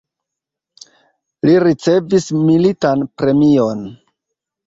Li ricevis militan premion.